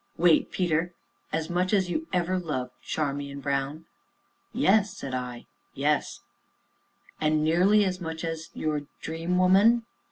wait, Peter as much as ever you loved Charmian Brown?" "Yes," said I; "yes " "And nearly as much as your dream woman?"